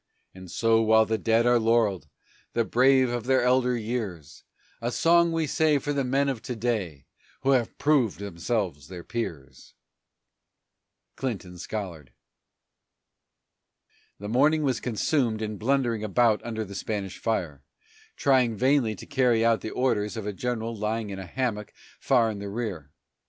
And so, while the dead are laurelled, the brave of the elder years, A song, we say, for the men of to day who have proved themselves their peers. CLINTON SCOLLARD. The morning was consumed in blundering about under the Spanish fire, trying vainly to carry out the orders of a general lying in a hammock far in the rear.